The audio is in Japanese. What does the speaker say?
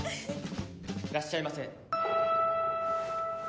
いらっしゃいませ。